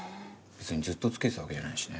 それにずっとつけてたわけじゃないしね。